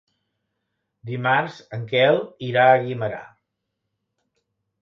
Dimarts en Quel irà a Guimerà.